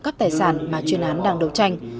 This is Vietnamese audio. cắt tài sản mà chuyên án đang đấu tranh